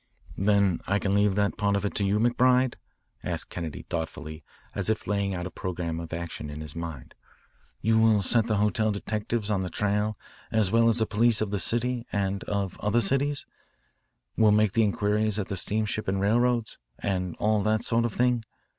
"Then I can leave that part of it to you, McBride?" asked Kennedy thoughtfully as if laying out a programme of action in his mind. "You will set the hotel detectives on the trail as well as the police of the city, and of other cities, will make the inquiries at the steamships and railroads, and all that sort of thing?